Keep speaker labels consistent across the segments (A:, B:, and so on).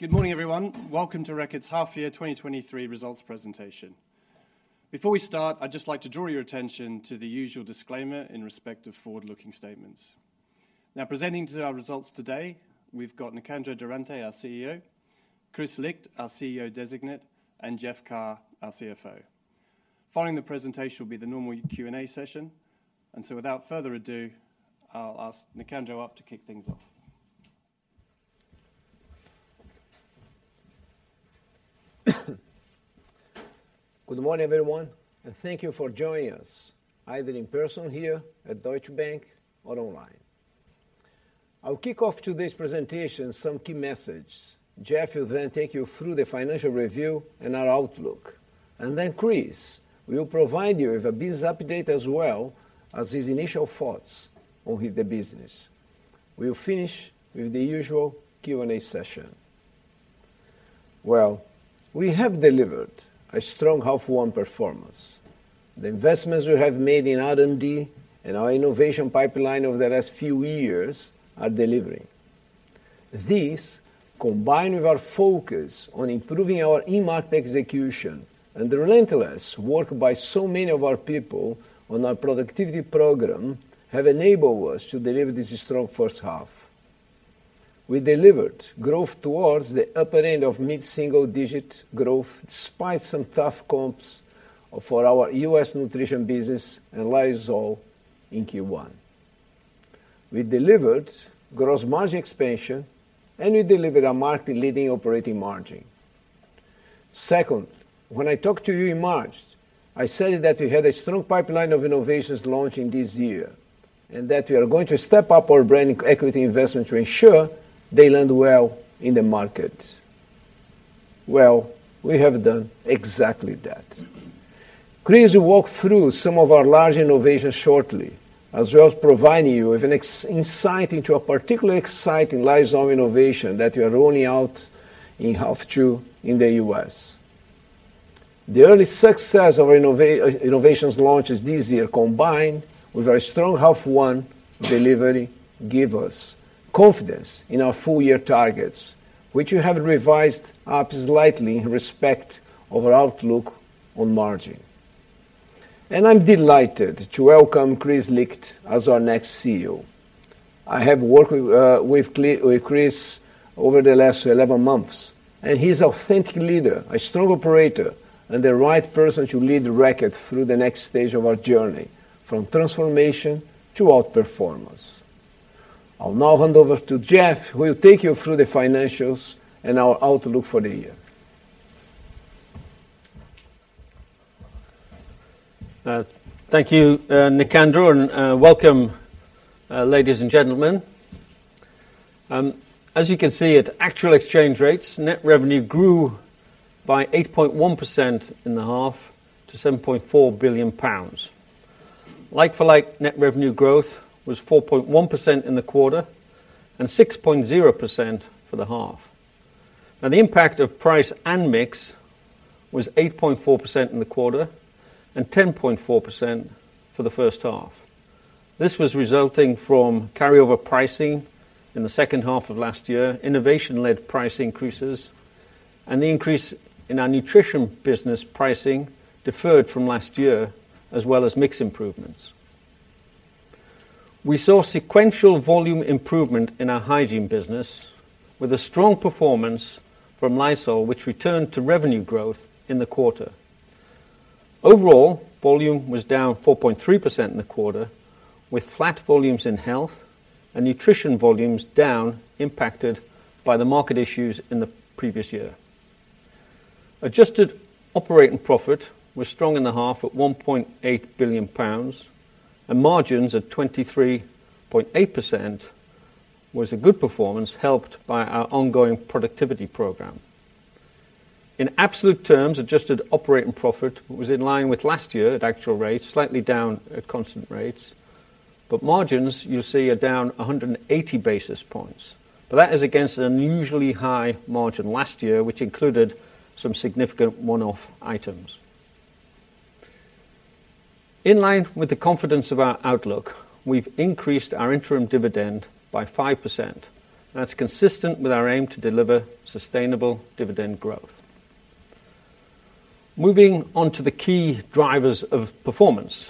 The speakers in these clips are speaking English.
A: Good morning, everyone. Welcome to Reckitt's Half Year 2023 Results presentation. Before we start, I'd just like to draw your attention to the usual disclaimer in respect of forward-looking statements. Presenting to our results today, we've got Nicandro Durante, our CEO, Kris Licht, our CEO Designate, and Jeff Carr, our CFO. Following the presentation will be the normal Q&A session. Without further ado, I'll ask Nicandro up to kick things off.
B: Good morning, everyone, and thank you for joining us, either in person here at Deutsche Bank or online. I'll kick off today's presentation, some key messages. Jeff will then take you through the financial review and our outlook, then Kris will provide you with a business update, as well as his initial thoughts on the business. We'll finish with the usual Q&A session. We have delivered a strong half one performance. The investments we have made in R&D and our innovation pipeline over the last few years are delivering. This, combined with our focus on improving our in-market execution and the relentless work by so many of our people on our productivity program, have enabled us to deliver this strong first half. We delivered growth towards the upper end of mid-single-digit growth, despite some tough comps for our U.S. Nutrition business and Lysol in Q1. We delivered gross margin expansion, and we delivered a market-leading operating margin. Second, when I talked to you in March, I said that we had a strong pipeline of innovations launching this year, and that we are going to step up our brand equity investment to ensure they land well in the market. Well, we have done exactly that. Kris will walk through some of our large innovations shortly, as well as providing you with an insight into a particularly exciting Lysol innovation that we are rolling out in half two in the US. The early success of our innovations launches this year, combined with our strong half one delivery, give us confidence in our full year targets, which we have revised up slightly in respect of our outlook on margin. I'm delighted to welcome Kris Licht as our next CEO. I have worked with Kris over the last 11 months. He's an authentic leader, a strong operator, and the right person to lead Reckitt through the next stage of our journey, from transformation to outperformance. I'll now hand over to Jeff, who will take you through the financials and our outlook for the year.
C: Thank you, Nicandro, and welcome, ladies and gentlemen. As you can see, at actual exchange rates, net revenue grew by 8.1% in the half to 7.4 billion pounds. Like for like, net revenue growth was 4.1% in the quarter and 6.0% for the half. The impact of price and mix was 8.4% in the quarter and 10.4% for the first half. This was resulting from carryover pricing in the second half of last year, innovation-led price increases, and the increase in our Nutrition business pricing deferred from last year, as well as mix improvements. We saw sequential volume improvement in our Hygiene business, with a strong performance from Lysol, which returned to revenue growth in the quarter. Overall, volume was down 4.3% in the quarter, with flat volumes in health and nutrition volumes down, impacted by the market issues in the previous year. Adjusted operating profit was strong in the half at 1.8 billion pounds, and margins at 23.8% was a good performance, helped by our ongoing productivity program. In absolute terms, adjusted operating profit was in line with last year at actual rates, slightly down at constant rates, margins, you'll see, are down 180 basis points. That is against an unusually high margin last year, which included some significant one-off items. In line with the confidence of our outlook, we've increased our interim dividend by 5%. That's consistent with our aim to deliver sustainable dividend growth. Moving on to the key drivers of performance.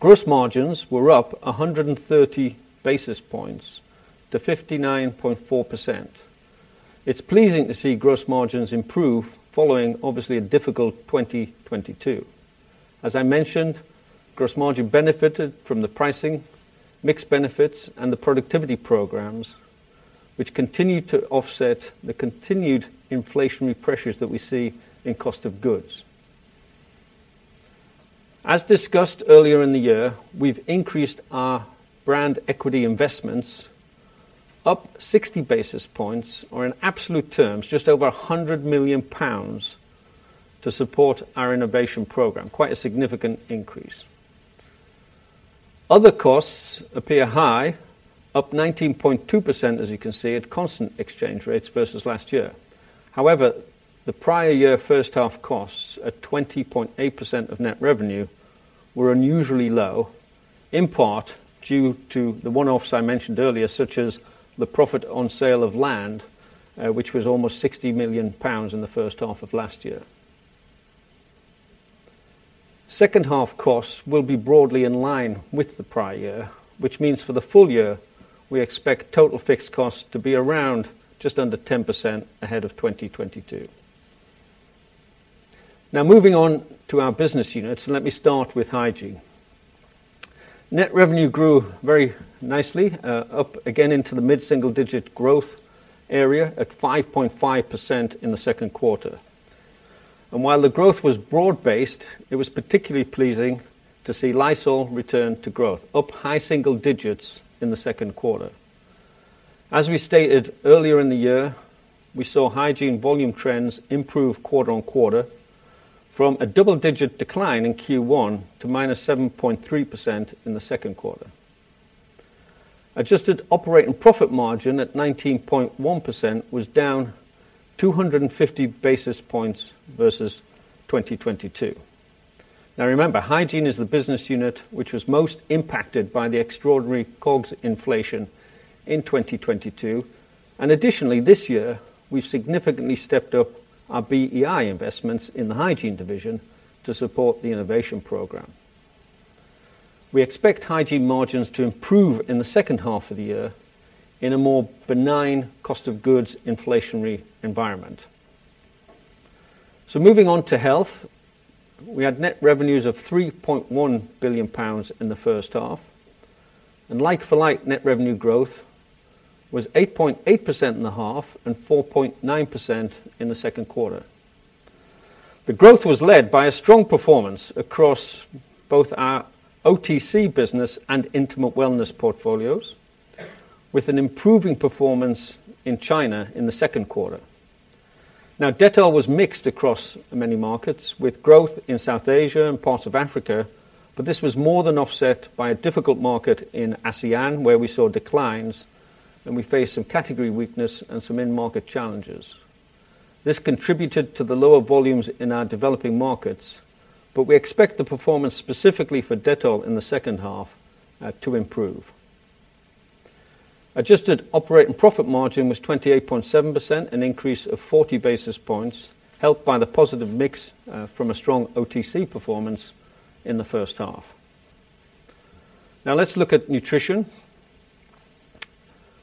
C: Gross margins were up 130 basis points to 59.4%. It's pleasing to see gross margins improve following obviously a difficult 2022. As I mentioned, gross margin benefited from the pricing, mix benefits, and the productivity programs, which continued to offset the continued inflationary pressures that we see in cost of goods. As discussed earlier in the year, we've increased our brand equity investments up 60 basis points or in absolute terms, just over 100 million pounds, to support our innovation program. Quite a significant increase. Other costs appear high, up 19.2%, as you can see, at constant exchange rates versus last year. However, the prior year first half costs, at 20.8% of net revenue, were unusually low... in part, due to the one-offs I mentioned earlier, such as the profit on sale of land, which was almost 60 million pounds in the first half of 2022. Second half costs will be broadly in line with the prior year, which means for the full year, we expect total fixed costs to be around just under 10% ahead of 2022. Moving on to our business units, let me start with Hygiene. Net revenue grew very nicely, up again into the mid-single-digit growth area at 5.5% in the second quarter. While the growth was broad-based, it was particularly pleasing to see Lysol return to growth, up high single digits in the second quarter. As we stated earlier in the year, we saw hygiene volume trends improve quarter on quarter from a double-digit decline in Q1 to minus 7.3% in the second quarter. Adjusted operating profit margin at 19.1% was down 250 basis points versus 2022. Remember, Hygiene is the business unit which was most impacted by the extraordinary COGS inflation in 2022, and additionally, this year, we've significantly stepped up our BEI investments in the Hygiene division to support the innovation program. We expect hygiene margins to improve in the second half of the year in a more benign cost of goods inflationary environment. Moving on to Health, we had net revenues of 3.1 billion pounds in the first half, like-for-like net revenue growth was 8.8% in the half and 4.9% in the second quarter. The growth was led by a strong performance across both our OTC business and intimate wellness portfolios, with an improving performance in China in the second quarter. Dettol was mixed across many markets, with growth in South Asia and parts of Africa, this was more than offset by a difficult market in ASEAN, where we saw declines, we faced some category weakness and some end-market challenges. This contributed to the lower volumes in our developing markets, we expect the performance specifically for Dettol in the second half to improve. Adjusted operating profit margin was 28.7%, an increase of 40 basis points, helped by the positive mix from a strong OTC performance in the first half. Let's look at nutrition.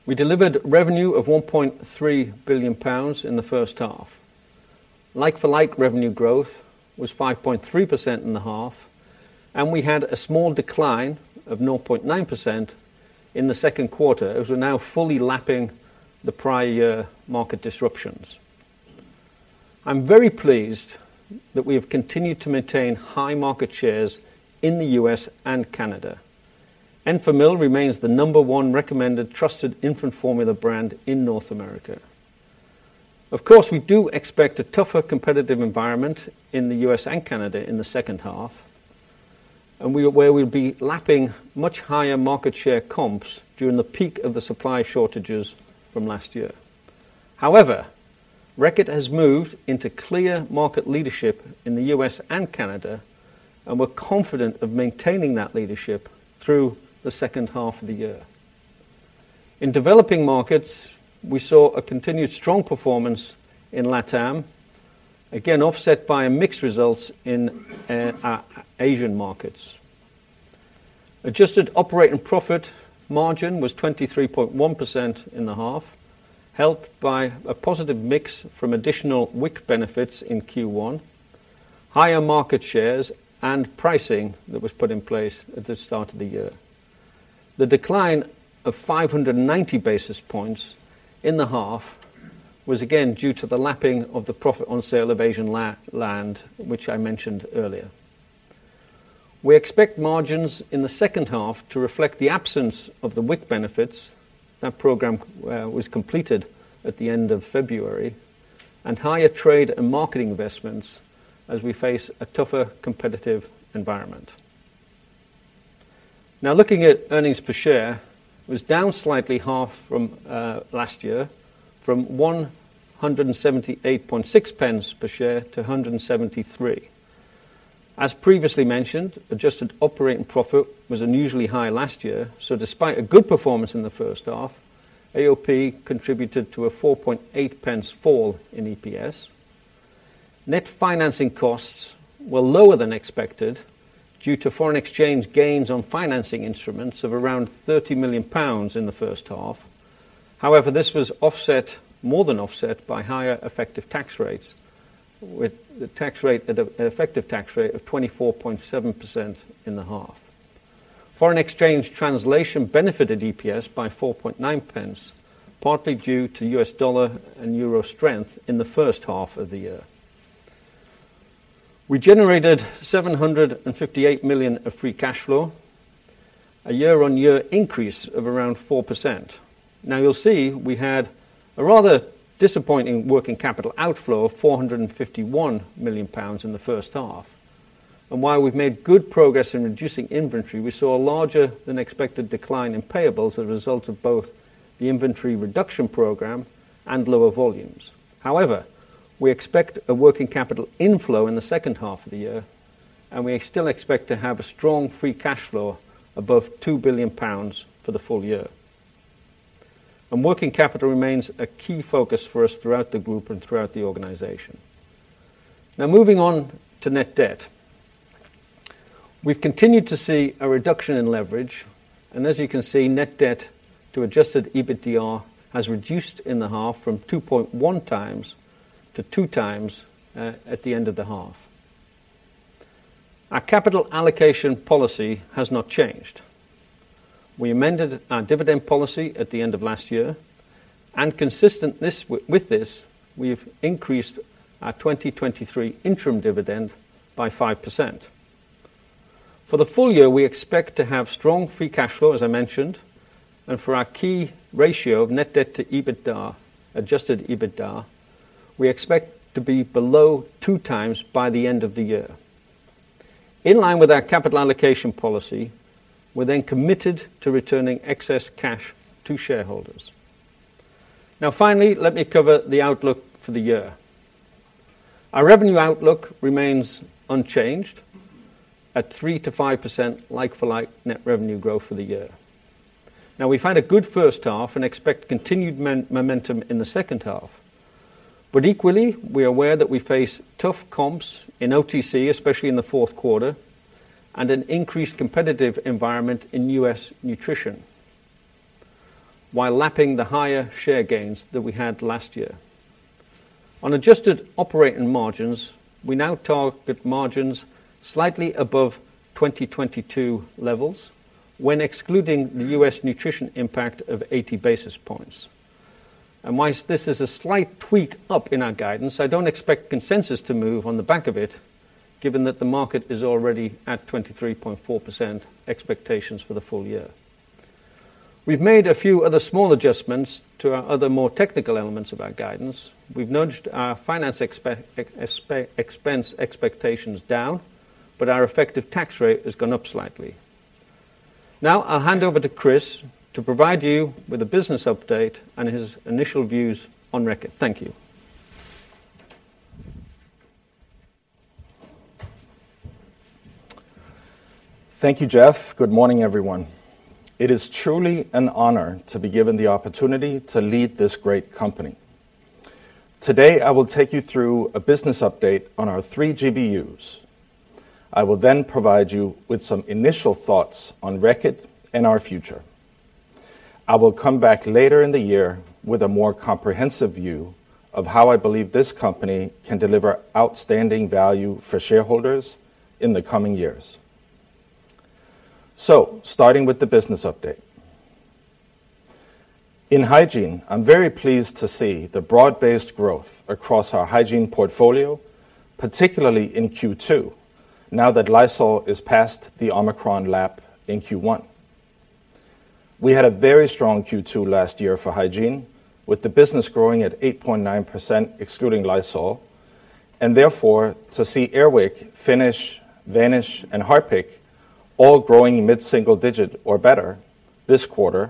C: We delivered revenue of 1.3 billion pounds in the first half. Like-for-like revenue growth was 5.3% in the half, and we had a small decline of 0.9% in the second quarter, as we're now fully lapping the prior year market disruptions. I'm very pleased that we have continued to maintain high market shares in the US and Canada. Enfamil remains the number one recommended, trusted infant formula brand in North America. Of course, we do expect a tougher competitive environment in the US and Canada in the second half, where we'll be lapping much higher market share comps during the peak of the supply shortages from last year. However, Reckitt has moved into clear market leadership in the US and Canada, and we're confident of maintaining that leadership through the second half of the year. In developing markets, we saw a continued strong performance in Latam, again offset by mixed results in Asian markets. Adjusted operating profit margin was 23.1% in the half, helped by a positive mix from additional WIC benefits in Q1, higher market shares and pricing that was put in place at the start of the year. The decline of 590 basis points in the half was again due to the lapping of the profit on sale of Asian land, which I mentioned earlier. We expect margins in the second half to reflect the absence of the WIC benefits. That program was completed at the end of February, and higher trade and marketing investments as we face a tougher competitive environment. Now, looking at earnings per share, was down slightly half from last year, from 178.6 pence per share to 173. As previously mentioned, adjusted operating profit was unusually high last year, so despite a good performance in the first half, AOP contributed to a 4.8 pence fall in EPS. Net financing costs were lower than expected due to foreign exchange gains on financing instruments of around 30 million pounds in the first half. This was offset, more than offset, by higher effective tax rates, with the tax rate, at an effective tax rate of 24.7% in the half. Foreign exchange translation benefited EPS by 4.9 pence, partly due to U.S. dollar and euro strength in the first half of the year. We generated 758 million of free cash flow, a year-on-year increase of around 4%. You'll see we had a rather disappointing working capital outflow of 451 million pounds in the first half. While we've made good progress in reducing inventory, we saw a larger-than-expected decline in payables as a result of both the inventory reduction program and lower volumes. However We expect a working capital inflow in the second half of the year, we still expect to have a strong free cash flow above 2 billion pounds for the full year. Working capital remains a key focus for us throughout the group and throughout the organization. Now, moving on to net debt. We've continued to see a reduction in leverage, and as you can see, net debt to adjusted EBITDA has reduced in the half from 2.1 times to 2 times at the end of the half. Our capital allocation policy has not changed. We amended our dividend policy at the end of last year, and consistent with this, we've increased our 2023 interim dividend by 5%. For the full year, we expect to have strong free cash flow, as I mentioned, and for our key ratio of net debt to EBITDA, adjusted EBITDA, we expect to be below 2 times by the end of the year. In line with our capital allocation policy, we're then committed to returning excess cash to shareholders. Finally, let me cover the outlook for the year. Our revenue outlook remains unchanged at 3%-5% like-for-like net revenue growth for the year. We've had a good first half and expect continued momentum in the second half. Equally, we are aware that we face tough comps in OTC, especially in the fourth quarter, and an increased competitive environment in U.S. nutrition, while lapping the higher share gains that we had last year. On adjusted operating margins, we now target margins slightly above 2022 levels when excluding the U.S. nutrition impact of 80 basis points. Whilst this is a slight tweak up in our guidance, I don't expect consensus to move on the back of it, given that the market is already at 23.4% expectations for the full year. We've made a few other small adjustments to our other more technical elements of our guidance. We've nudged our finance expense expectations down, our effective tax rate has gone up slightly. Now, I'll hand over to Kris to provide you with a business update and his initial views on Reckitt. Thank you.
D: Thank you, Jeff. Good morning, everyone. It is truly an honor to be given the opportunity to lead this great company. Today, I will take you through a business update on our three GBUs. I will provide you with some initial thoughts on Reckitt and our future. I will come back later in the year with a more comprehensive view of how I believe this company can deliver outstanding value for shareholders in the coming years. Starting with the business update. In Hygiene, I'm very pleased to see the broad-based growth across our Hygiene portfolio, particularly in Q2, now that Lysol is past the Omicron lap in Q1. We had a very strong Q2 last year for Hygiene, with the business growing at 8.9%, excluding Lysol, and therefore, to see Air Wick, Finish, Vanish and Harpic all growing mid-single digit or better this quarter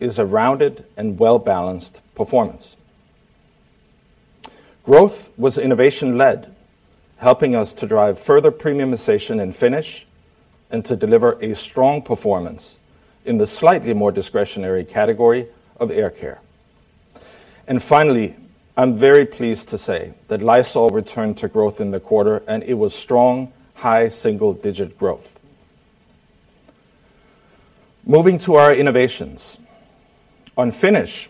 D: is a rounded and well-balanced performance. Growth was innovation-led, helping us to drive further premiumization in Finish and to deliver a strong performance in the slightly more discretionary category of air care. Finally, I'm very pleased to say that Lysol returned to growth in the quarter, and it was strong, high, single-digit growth. Moving to our innovations. On Finish,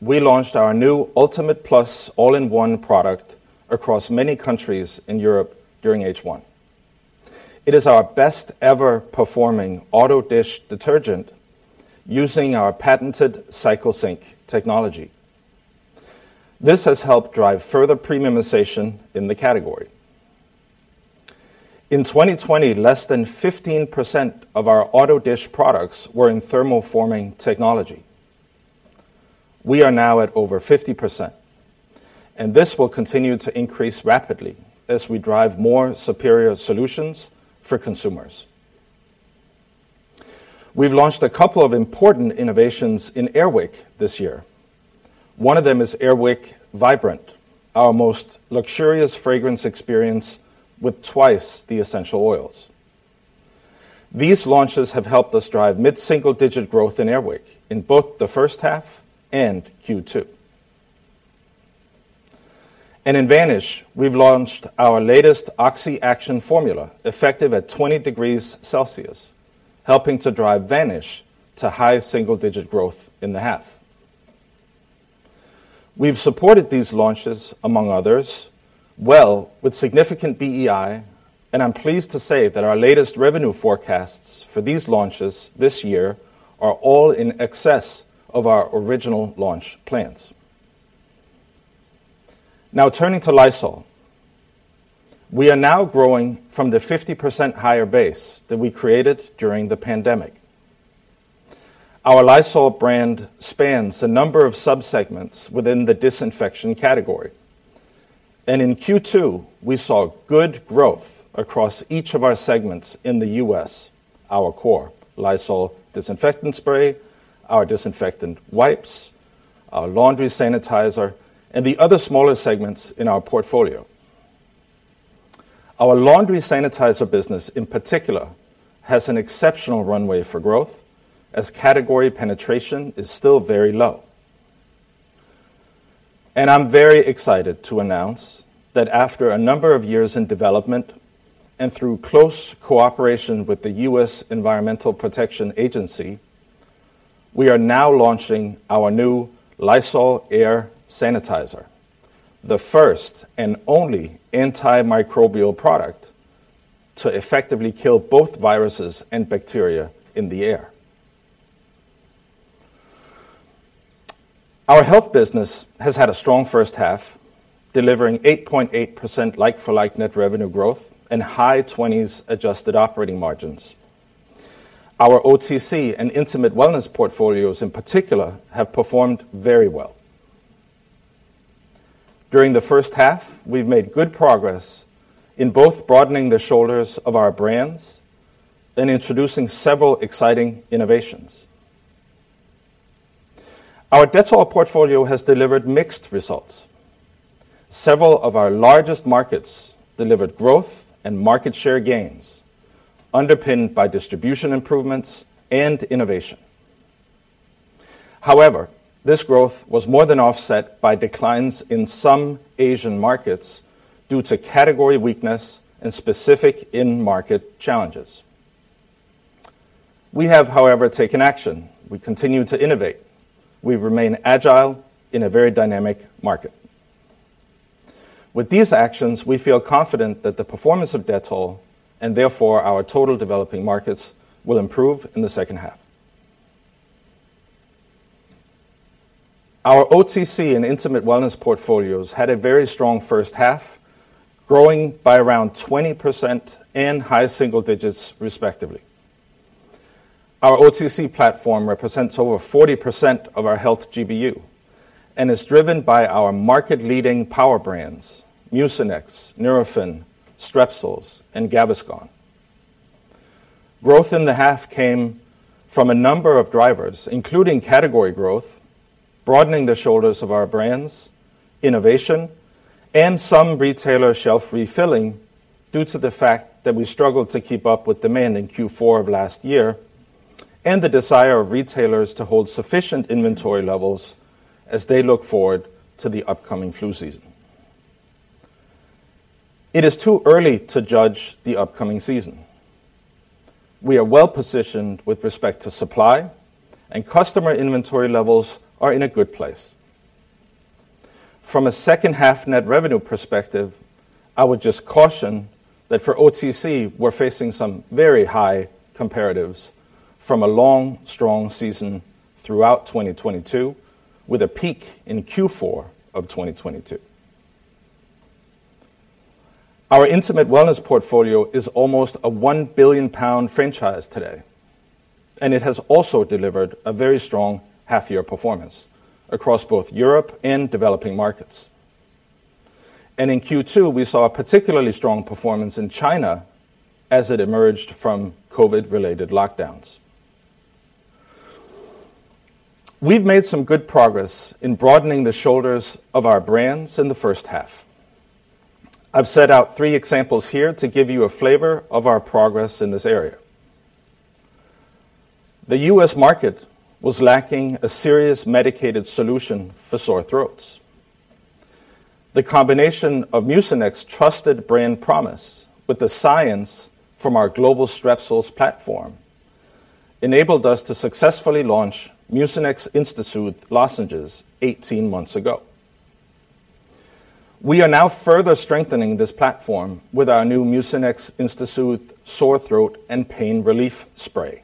D: we launched our new Ultimate Plus all-in-one product across many countries in Europe during H1. It is our best ever performing auto dish detergent using our patented CycleSync technology. This has helped drive further premiumization in the category. In 2020, less than 15% of our auto dish products were in thermoforming technology. We are now at over 50%, this will continue to increase rapidly as we drive more superior solutions for consumers. We've launched a couple of important innovations in Air Wick this year. One of them is Air Wick Vibrant, our most luxurious fragrance experience with twice the essential oils. These launches have helped us drive mid-single-digit growth in Air Wick in both the first half and Q2. In Vanish, we've launched our latest Oxi Action formula, effective at 20 degrees Celsius, helping to drive Vanish to high single-digit growth in the half. We've supported these launches, among others, well, with significant BEI, and I'm pleased to say that our latest revenue forecasts for these launches this year are all in excess of our original launch plans. Turning to Lysol. We are now growing from the 50% higher base that we created during the pandemic. Our Lysol brand spans a number of subsegments within the disinfection category, and in Q2, we saw good growth across each of our segments in the U.S., our core, Lysol disinfectant spray, our disinfectant wipes, our laundry sanitizer, and the other smaller segments in our portfolio. Our laundry sanitizer business, in particular, has an exceptional runway for growth as category penetration is still very low. I'm very excited to announce that after a number of years in development and through close cooperation with the U.S. Environmental Protection Agency, we are now launching our new Lysol Air Sanitizer, the first and only antimicrobial product to effectively kill both viruses and bacteria in the air. Our health business has had a strong first half, delivering 8.8% like-for-like net revenue growth and high 20s adjusted operating margins. Our OTC and intimate wellness portfolios, in particular, have performed very well. During the first half, we've made good progress in both broadening the shoulders of our brands and introducing several exciting innovations. Our Dettol portfolio has delivered mixed results. Several of our largest markets delivered growth and market share gains, underpinned by distribution improvements and innovation. This growth was more than offset by declines in some Asian markets due to category weakness and specific in-market challenges. We have, however, taken action. We continue to innovate. We remain agile in a very dynamic market. With these actions, we feel confident that the performance of Dettol, and therefore our total developing markets, will improve in the second half. Our OTC and intimate wellness portfolios had a very strong first half, growing by around 20% and high single digits, respectively. Our OTC platform represents over 40% of our health GBU and is driven by our market-leading power brands, Mucinex, Nurofen, Strepsils, and Gaviscon. Growth in the half came from a number of drivers, including category growth, broadening the shoulders of our brands, innovation, and some retailer shelf refilling due to the fact that we struggled to keep up with demand in Q4 of last year, and the desire of retailers to hold sufficient inventory levels as they look forward to the upcoming flu season. It is too early to judge the upcoming season. We are well positioned with respect to supply, and customer inventory levels are in a good place. From a second half net revenue perspective, I would just caution that for OTC, we're facing some very high comparatives from a long, strong season throughout 2022, with a peak in Q4 of 2022. Our intimate wellness portfolio is almost a 1 billion pound franchise today, it has also delivered a very strong half-year performance across both Europe and developing markets. In Q2, we saw a particularly strong performance in China as it emerged from COVID-related lockdowns. We've made some good progress in broadening the shoulders of our brands in the first half. I've set out three examples here to give you a flavor of our progress in this area. The U.S. market was lacking a serious medicated solution for sore throats. The combination of Mucinex trusted brand promise with the science from our global Strepsils platform, enabled us to successfully launch Mucinex InstaSoothe Lozenges 18 months ago. We are now further strengthening this platform with our new Mucinex InstaSoothe Sore Throat and Pain Relief Spray.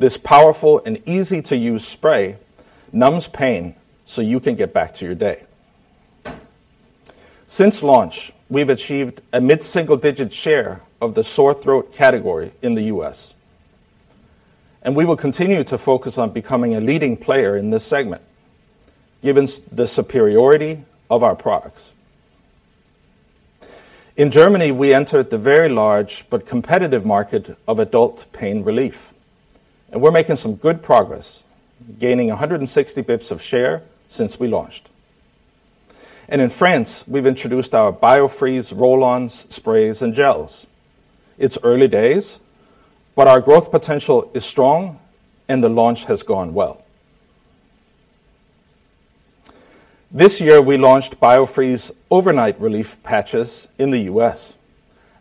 D: This powerful and easy-to-use spray numbs pain so you can get back to your day. Since launch, we've achieved a mid-single-digit share of the sore throat category in the U.S., and we will continue to focus on becoming a leading player in this segment, given the superiority of our products. In Germany, we entered the very large but competitive market of adult pain relief, and we're making some good progress, gaining 160 basis points of share since we launched. In France, we've introduced our Biofreeze roll-ons, sprays, and gels. It's early days. Our growth potential is strong. The launch has gone well. This year, we launched Biofreeze Overnight Relief Patches in the U.S.,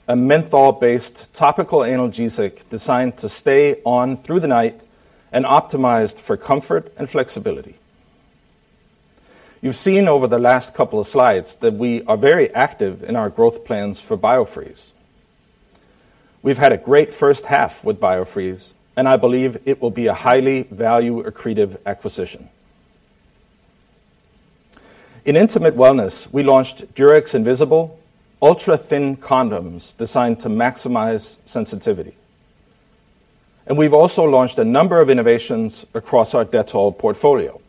D: a menthol-based topical analgesic designed to stay on through the night and optimized for comfort and flexibility. You've seen over the last couple of slides that we are very active in our growth plans for Biofreeze. We've had a great first half with Biofreeze. I believe it will be a highly value-accretive acquisition. In intimate wellness, we launched Durex Invisible ultra-thin condoms designed to maximize sensitivity. We've also launched a number of innovations across our Dettol portfolio,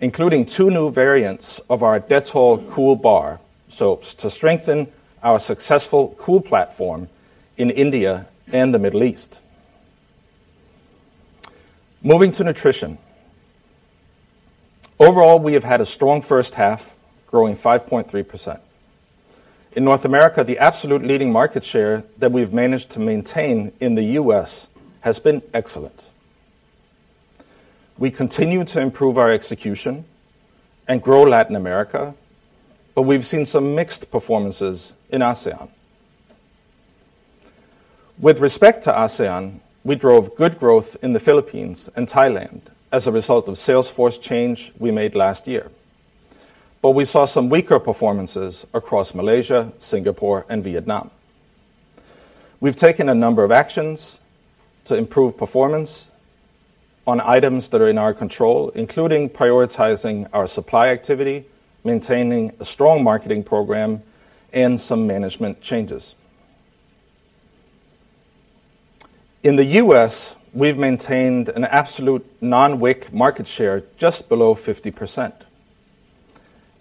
D: including two new variants of our Dettol Cool Bar soaps to strengthen our successful Cool platform in India and the Middle East. Moving to Nutrition. Overall, we have had a strong first half, growing 5.3%. In North America, the absolute leading market share that we've managed to maintain in the U.S. has been excellent. We continue to improve our execution and grow Latin America, but we've seen some mixed performances in ASEAN. With respect to ASEAN, we drove good growth in the Philippines and Thailand as a result of sales force change we made last year, but we saw some weaker performances across Malaysia, Singapore and Vietnam. We've taken a number of actions to improve performance on items that are in our control, including prioritizing our supply activity, maintaining a strong marketing program, and some management changes. In the U.S., we've maintained an absolute non-WIC market share just below 50%.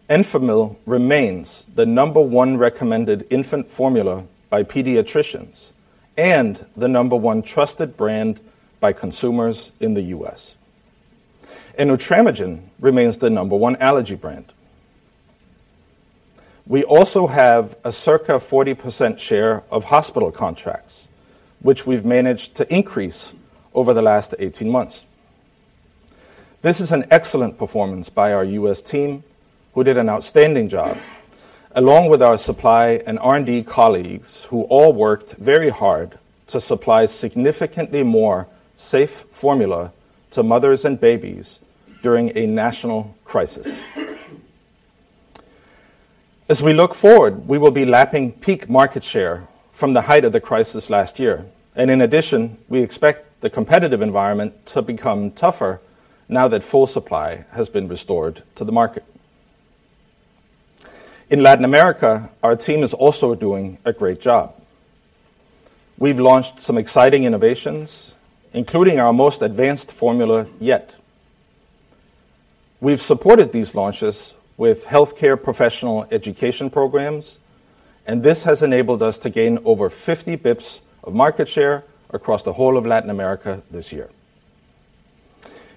D: Enfamil remains the number one recommended infant formula by pediatricians and the number one trusted brand by consumers in the U.S. Nutramigen remains the number one allergy brand. We also have a circa 40% share of hospital contracts, which we've managed to increase over the last 18 months. This is an excellent performance by our U.S. team, who did an outstanding job, along with our supply and R&D colleagues, who all worked very hard to supply significantly more safe formula to mothers and babies during a national crisis. As we look forward, we will be lapping peak market share from the height of the crisis last year, and in addition, we expect the competitive environment to become tougher now that full supply has been restored to the market. In Latin America, our team is also doing a great job. We've launched some exciting innovations, including our most advanced formula yet. We've supported these launches with healthcare professional education programs, and this has enabled us to gain over 50 bips of market share across the whole of Latin America this year.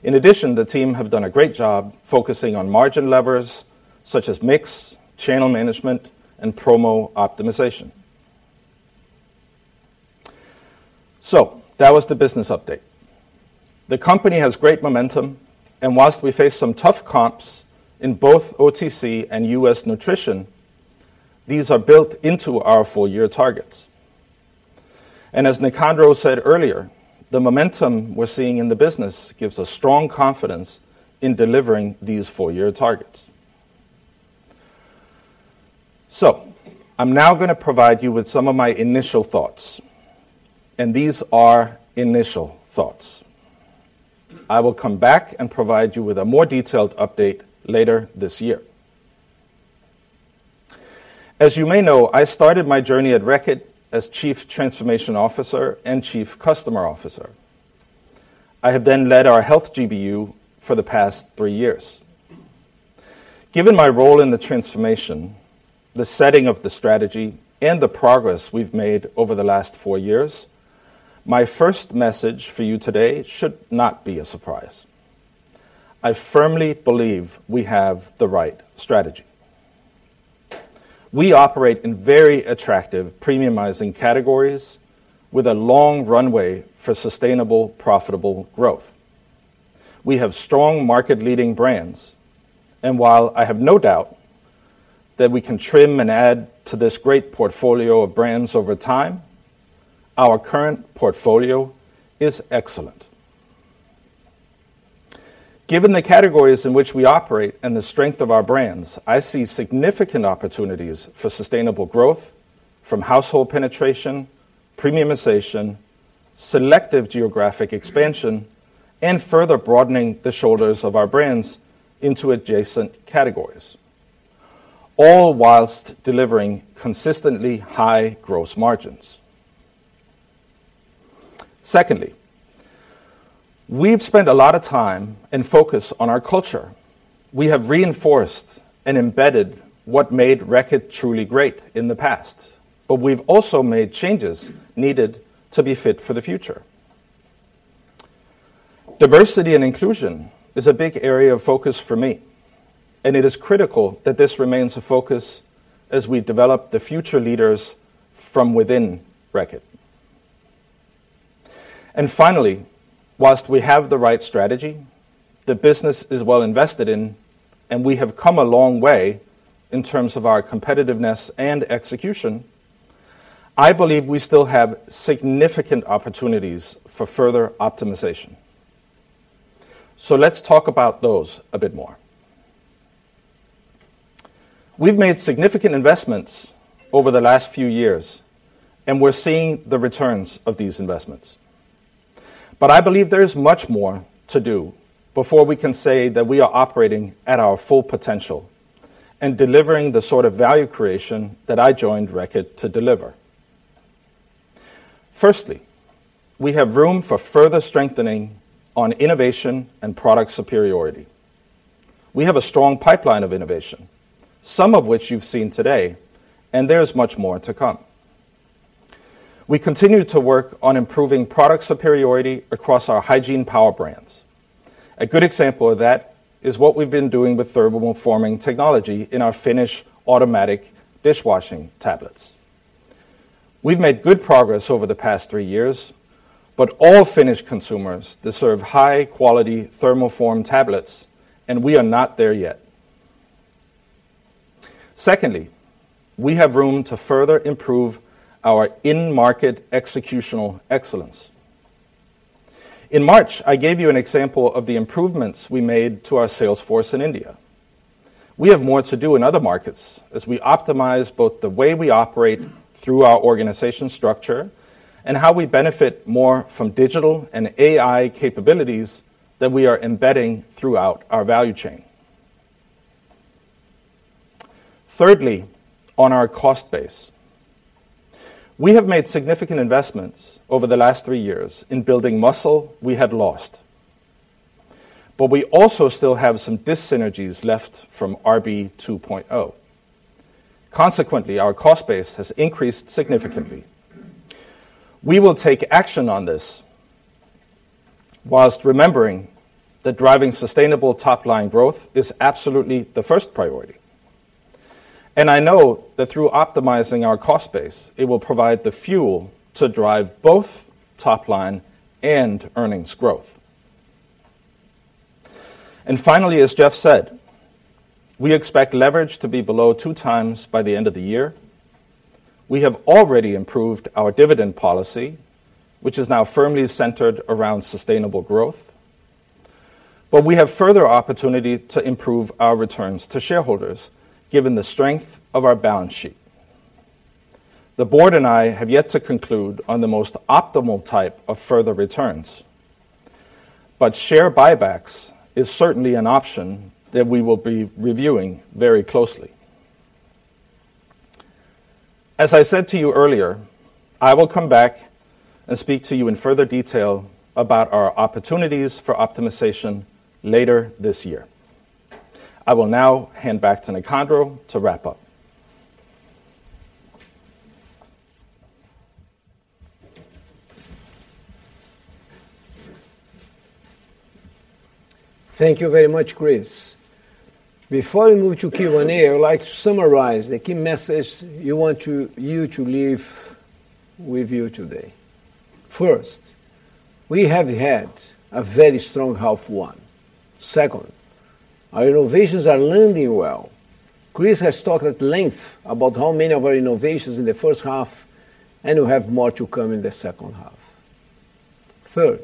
D: In addition, the team have done a great job focusing on margin levers such as mix, channel management, and promo optimization. That was the business update. The company has great momentum, and whilst we face some tough comps in both OTC and U.S. Nutrition, these are built into our full year targets. As Nicandro said earlier, the momentum we're seeing in the business gives us strong confidence in delivering these full year targets. I'm now going to provide you with some of my initial thoughts, and these are initial thoughts. I will come back and provide you with a more detailed update later this year. As you may know, I started my journey at Reckitt as Chief Transformation Officer and Chief Customer Officer. I have led our health GBU for the past three years. Given my role in the transformation, the setting of the strategy, and the progress we've made over the last four years, my first message for you today should not be a surprise. I firmly believe we have the right strategy. We operate in very attractive premiumizing categories with a long runway for sustainable, profitable growth. We have strong market-leading brands, and while I have no doubt that we can trim and add to this great portfolio of brands over time, our current portfolio is excellent. Given the categories in which we operate and the strength of our brands, I see significant opportunities for sustainable growth from household penetration, premiumization, selective geographic expansion, and further broadening the shoulders of our brands into adjacent categories, all whilst delivering consistently high gross margins. Secondly, we've spent a lot of time and focus on our culture. We have reinforced and embedded what made Reckitt truly great in the past, but we've also made changes needed to be fit for the future. Diversity and inclusion is a big area of focus for me, and it is critical that this remains a focus as we develop the future leaders from within Reckitt. Finally, whilst we have the right strategy, the business is well invested in, and we have come a long way in terms of our competitiveness and execution, I believe we still have significant opportunities for further optimization. Let's talk about those a bit more. We've made significant investments over the last few years, and we're seeing the returns of these investments. I believe there is much more to do before we can say that we are operating at our full potential and delivering the sort of value creation that I joined Reckitt to deliver. Firstly, we have room for further strengthening on innovation and product superiority. We have a strong pipeline of innovation, some of which you've seen today, and there is much more to come. We continue to work on improving product superiority across our hygiene power brands. A good example of that is what we've been doing with thermoforming technology in our Finish automatic dishwashing tablets. We've made good progress over the past three years. All Finish consumers deserve high-quality thermoform tablets, and we are not there yet. Secondly, we have room to further improve our in-market executional excellence. In March, I gave you an example of the improvements we made to our sales force in India. We have more to do in other markets as we optimize both the way we operate through our organization structure and how we benefit more from digital and AI capabilities that we are embedding throughout our value chain. Thirdly, on our cost base. We have made significant investments over the last 3 years in building muscle we had lost, but we also still have some dyssynergies left from RB 2.0. Consequently, our cost base has increased significantly. We will take action on this, while remembering that driving sustainable top-line growth is absolutely the first priority. I know that through optimizing our cost base, it will provide the fuel to drive both top line and earnings growth. Finally, as Jeff said, we expect leverage to be below two times by the end of the year. We have already improved our dividend policy, which is now firmly centered around sustainable growth, we have further opportunity to improve our returns to shareholders, given the strength of our balance sheet. The board and I have yet to conclude on the most optimal type of further returns, share buybacks is certainly an option that we will be reviewing very closely. As I said to you earlier, I will come back and speak to you in further detail about our opportunities for optimization later this year. I will now hand back to Nicandro to wrap up.
B: Thank you very much, Kris. Before we move to Q&A, I would like to summarize the key message we want to you to leave with you today. First, we have had a very strong half 1. Second, our innovations are landing well. Kris has talked at length about how many of our innovations in the first half, and we have more to come in the second half. Third,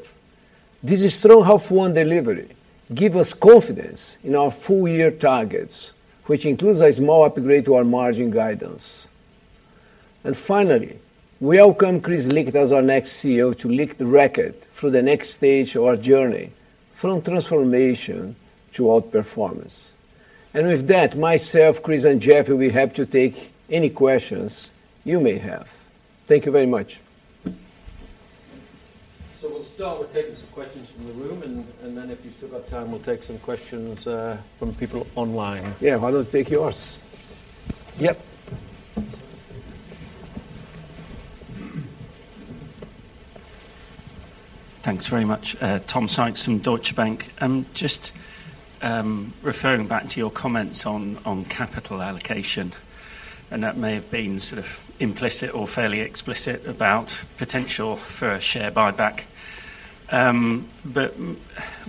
B: this strong half 1 delivery give us confidence in our full year targets, which includes a small upgrade to our margin guidance. Finally, we welcome Kris Licht as our next CEO to lead the Reckitt through the next stage of our journey from transformation to outperformance. With that, myself, Kris, and Jeffrey, we're happy to take any questions you may have. Thank you very much.
C: We'll start with taking some questions from the room, and then if you've still got time, we'll take some questions from people online.
B: Yeah, why don't we take yours? Yep.
E: Thanks very much, Tom Sykes from Deutsche Bank. Just referring back to your comments on capital allocation, that may have been sort of implicit or fairly explicit about potential for a share buyback.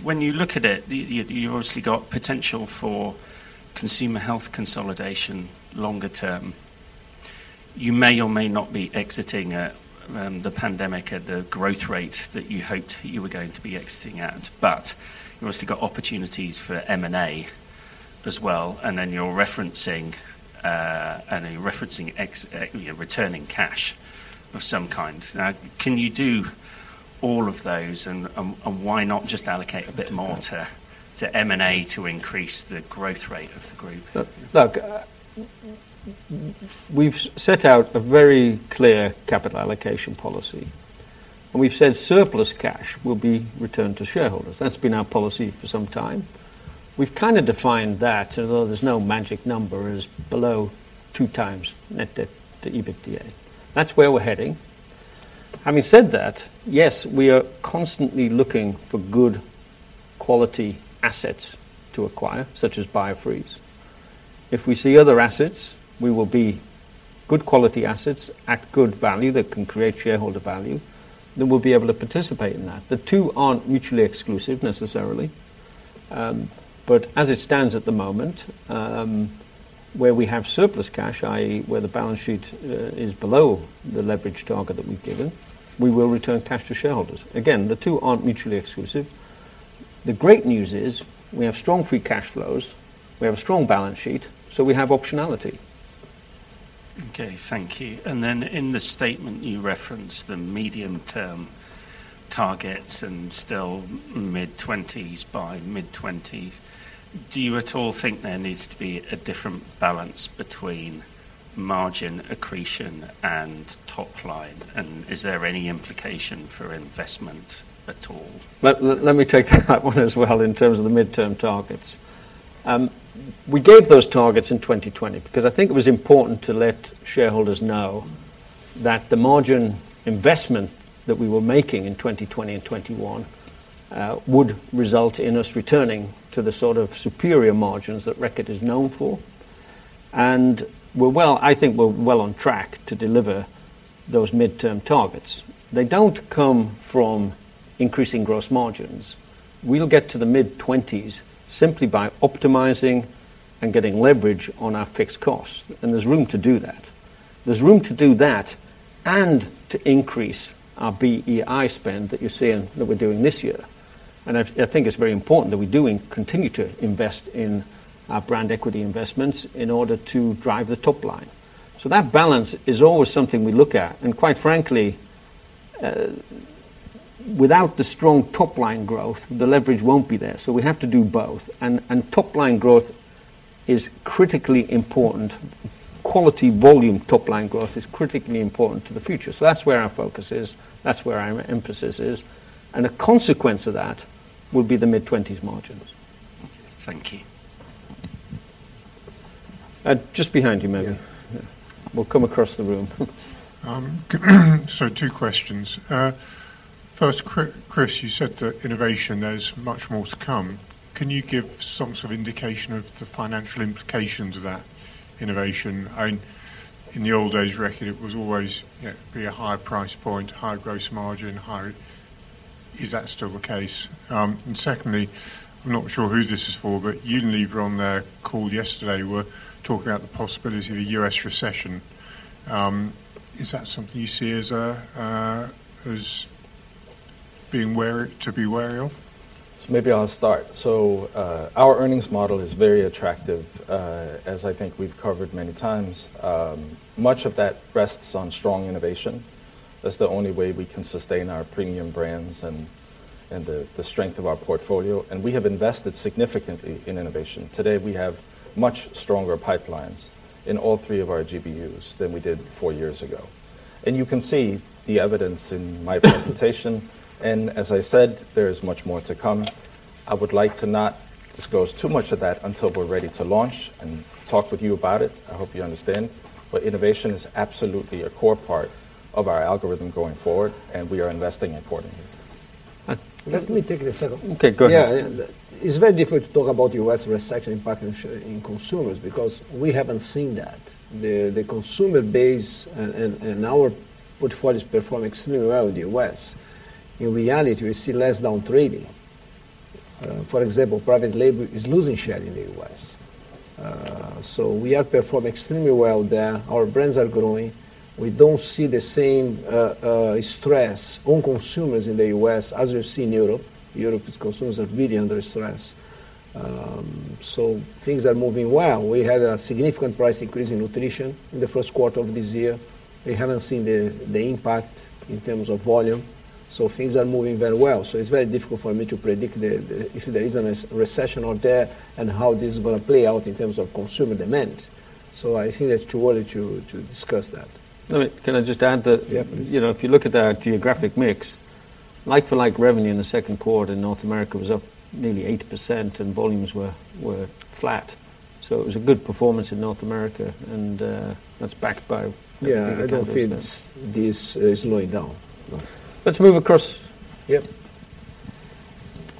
E: When you look at it, you obviously got potential for consumer health consolidation longer term. You may or may not be exiting the pandemic at the growth rate that you hoped you were going to be exiting at, you obviously got opportunities for M&A as well, you're referencing returning cash of some kind. Can you do all of those, why not just allocate a bit more to M&A to increase the growth rate of the group?
C: Look, we've set out a very clear capital allocation policy. We've said surplus cash will be returned to shareholders. That's been our policy for some time. We've kind of defined that, although there's no magic number, as below two times net debt to EBITDA. That's where we're heading. Having said that, yes, we are constantly looking for good quality assets to acquire, such as Biofreeze. If we see other assets, we will be good quality assets at good value that can create shareholder value, we'll be able to participate in that. The two aren't mutually exclusive necessarily. As it stands at the moment, where we have surplus cash, i.e., where the balance sheet is below the leverage target that we've given, we will return cash to shareholders. Again, the two aren't mutually exclusive. The great news is we have strong free cash flows, we have a strong balance sheet, so we have optionality.
E: Okay, thank you. In the statement, you referenced the medium-term targets and still mid-20s by mid-20s. Do you at all think there needs to be a different balance between margin accretion and top line? Is there any implication for investment at all?
C: Well, let me take that one as well in terms of the midterm targets. We gave those targets in 2020, because I think it was important to let shareholders know that the margin investment that we were making in 2020 and 2021, would result in us returning to the sort of superior margins that Reckitt is known for. We're well, I think we're well on track to deliver those midterm targets. They don't come from increasing gross margins. We'll get to the mid-20s simply by optimizing and getting leverage on our fixed costs, and there's room to do that. There's room to do that and to increase our BEI spend that you're seeing, that we're doing this year. I think it's very important that we do continue to invest in our brand equity investments in order to drive the top line. That balance is always something we look at, and quite frankly, without the strong top-line growth, the leverage won't be there, so we have to do both. Top-line growth is critically important. Quality volume top-line growth is critically important to the future. That's where our focus is, that's where our emphasis is, and a consequence of that will be the mid-twenties margins.
E: Thank you.
C: just behind you, maybe.
E: Yeah.
C: We'll come across the room.
F: Two questions. First, Kris, you said that innovation, there's much more to come. Can you give some sort of indication of the financial implications of that innovation? In the old days, Reckitt, it was always, you know, be a higher price point, higher gross margin, higher... Is that still the case? Secondly, I'm not sure who this is for, but Unilever on their call yesterday were talking about the possibility of a U.S. recession. Is that something you see as a, as being wary to be wary of?
D: Maybe I'll start. Our earnings model is very attractive, as I think we've covered many times. Much of that rests on strong innovation. That's the only way we can sustain our premium brands and the strength of our portfolio, and we have invested significantly in innovation. Today, we have much stronger pipelines in all three of our GBUs than we did four years ago. You can see the evidence in my presentation, and as I said, there is much more to come. I would like to not disclose too much of that until we're ready to launch and talk with you about it. I hope you understand. Innovation is absolutely a core part of our algorithm going forward, and we are investing accordingly.
C: Let me take the second.
D: Okay, go ahead.
B: It's very difficult to talk about U.S. recession impact in consumers because we haven't seen that. The consumer base and our portfolios perform extremely well in the U.S. In reality, we see less down trading. For example, private label is losing share in the U.S. We have performed extremely well there. Our brands are growing. We don't see the same stress on consumers in the U.S. as we see in Europe. Europe, its consumers are really under stress. Things are moving well. We had a significant price increase in nutrition in the first quarter of this year. We haven't seen the impact in terms of volume, things are moving very well. It's very difficult for me to predict if there is a recession or there, and how this is going to play out in terms of consumer demand. I think it's too early to discuss that.
C: Can I just add that-?
B: Yeah, please.
C: you know, if you look at our geographic mix, like-for-like revenue in the second quarter in North America was up nearly 8%, and volumes were flat. It was a good performance in North America.
B: Yeah, I don't think this is slowing down.
C: Let's move across.
F: Yep.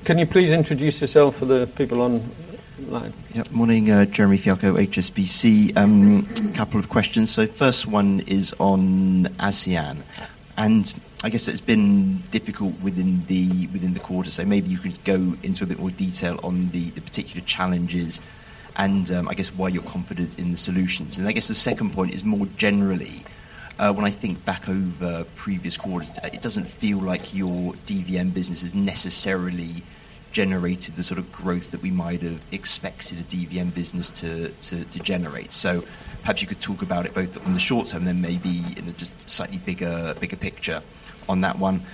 C: Can you please introduce yourself for the people on line?
G: Yep. Morning, Jeremy Fialko, HSBC. Couple of questions. First one is on ASEAN, and I guess it's been difficult within the, within the quarter. Maybe you could go into a bit more detail on the particular challenges and, I guess, why you're confident in the solutions. I guess the second point is more generally, when I think back over previous quarters, it doesn't feel like your DVM business has necessarily generated the sort of growth that we might have expected a DVM business to generate. Perhaps you could talk about it both on the short term and then maybe in a just slightly bigger picture on that one.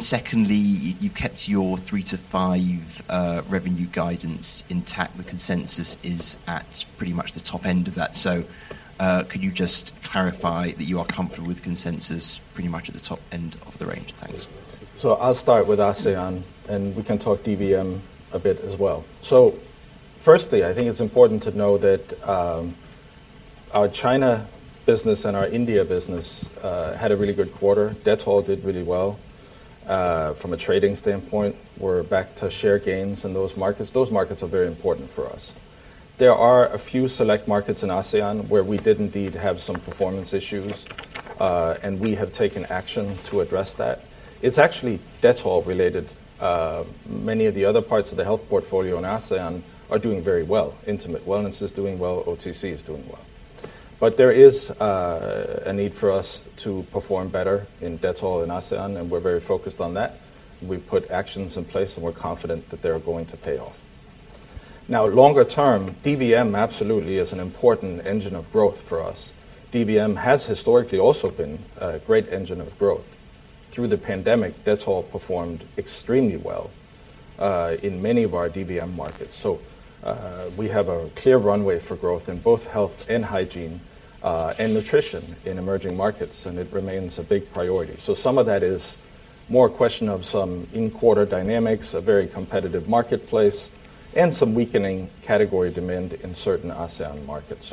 G: Secondly, you've kept your 3-5 revenue guidance intact. The consensus is at pretty much the top end of that. Could you just clarify that you are comfortable with the consensus pretty much at the top end of the range? Thanks.
D: I'll start with ASEAN, and we can talk DVM a bit as well. Firstly, I think it's important to know that our China business and our India business had a really good quarter. Dettol did really well. From a trading standpoint, we're back to share gains in those markets. Those markets are very important for us. There are a few select markets in ASEAN where we did indeed have some performance issues, and we have taken action to address that. It's actually Dettol related. Many of the other parts of the health portfolio in ASEAN are doing very well. Intimate Wellness is doing well, OTC is doing well. There is a need for us to perform better in Dettol in ASEAN, and we're very focused on that. We've put actions in place, and we're confident that they're going to pay off.... Now, longer term, DVM absolutely is an important engine of growth for us. DVM has historically also been a great engine of growth. Through the pandemic, that's all performed extremely well in many of our DVM markets. We have a clear runway for growth in both Health and Hygiene and Nutrition in emerging markets, and it remains a big priority. Some of that is more a question of some in-quarter dynamics, a very competitive marketplace, and some weakening category demand in certain ASEAN markets.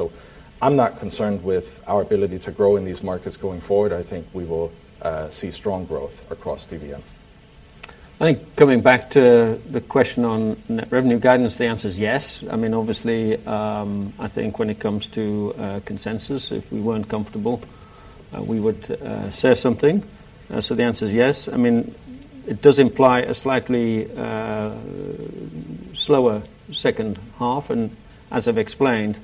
D: I'm not concerned with our ability to grow in these markets going forward. I think we will see strong growth across DVM.
C: I think coming back to the question on net revenue guidance, the answer is yes. I mean, obviously, I think when it comes to consensus, if we weren't comfortable, we would say something. The answer is yes. I mean, it does imply a slightly slower second half, and as I've explained,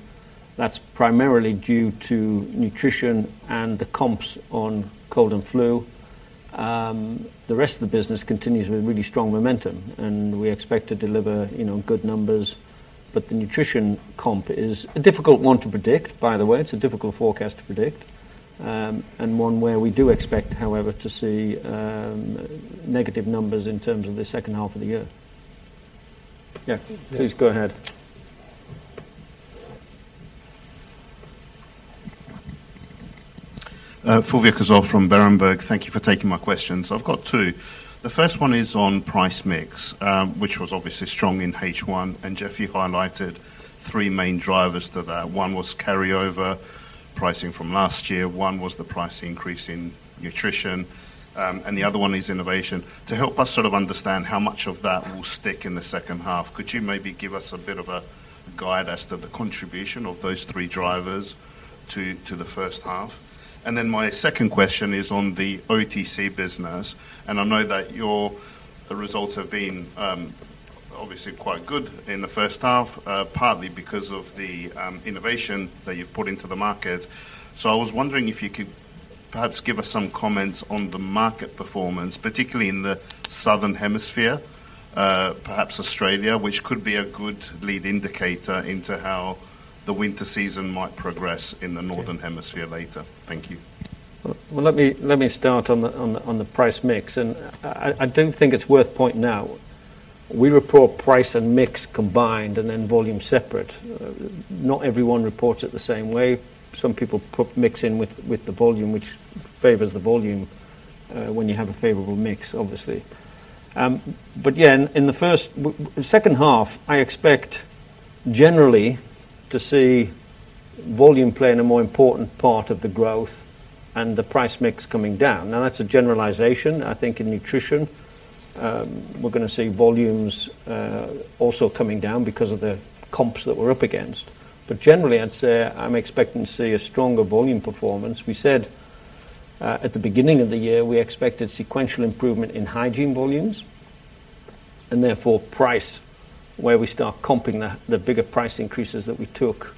C: that's primarily due to nutrition and the comps on cold and flu. The rest of the business continues with really strong momentum, and we expect to deliver, you know, good numbers. The nutrition comp is a difficult one to predict, by the way. It's a difficult forecast to predict, and one where we do expect, however, to see negative numbers in terms of the second half of the year. Yeah, please go ahead.
H: Fulvio Cazzol from Berenberg. Thank you for taking my questions. I've got two. The first one is on price mix, which was obviously strong in H1, and Jeff, you highlighted three main drivers to that. One was carryover pricing from last year, one was the price increase in nutrition, and the other one is innovation. To help us sort of understand how much of that will stick in the second half, could you maybe give us a bit of a guide as to the contribution of those three drivers to the first half? My second question is on the OTC business, and I know that the results have been obviously quite good in the first half, partly because of the innovation that you've put into the market. I was wondering if you could perhaps give us some comments on the market performance, particularly in the Southern Hemisphere, perhaps Australia, which could be a good lead indicator into how the winter season might progress in the Northern Hemisphere later. Thank you.
C: Well, let me start on the price mix. I do think it's worth pointing out, we report price and mix combined and then volume separate. Not everyone reports it the same way. Some people put mix in with the volume, which favors the volume when you have a favorable mix, obviously. Yeah, in the second half, I expect generally to see volume playing a more important part of the growth and the price mix coming down. That's a generalization. I think in nutrition, we're gonna see volumes also coming down because of the comps that we're up against. Generally, I'd say I'm expecting to see a stronger volume performance. We said, at the beginning of the year, we expected sequential improvement in Hygiene volumes, and therefore, price, where we start comping the bigger price increases that we took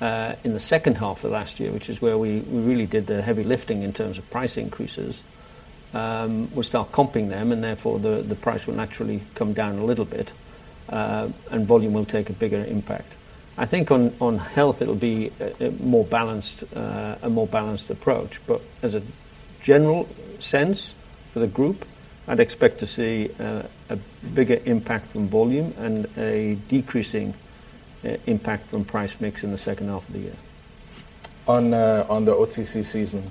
C: in the second half of last year, which is where we really did the heavy lifting in terms of price increases. We start comping them, and therefore, the price will naturally come down a little bit, and volume will take a bigger impact. I think on Health, it'll be a more balanced approach, but as a general sense for the group, I'd expect to see a bigger impact on volume and a decreasing impact on price mix in the second half of the year.
D: On the OTC season,